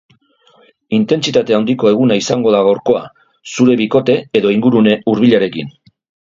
Intentsitate handiko eguna izango da gaurkoa zure bikote edo ingurune hurbilarekin.